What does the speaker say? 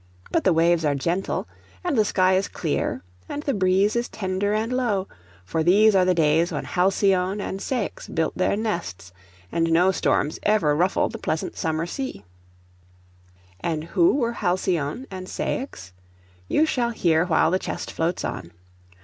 But the waves are gentle, and the sky is clear, and the breeze is tender and low; for these are the days when Halcyone and Ceyx build their nests, and no storms ever ruffle the pleasant summer sea. [Picture: Danae and her babe] And who were Halcyone and Ceyx? You shall hear while the chest floats on.